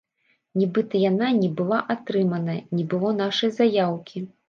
Нібыта, яна не была атрыманая, не было нашай заяўкі.